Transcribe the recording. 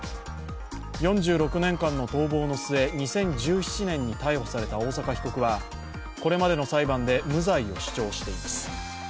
４６年間の逃亡の末、２０１７年に逮捕された大坂被告は、これまでの裁判で無罪を主張しています。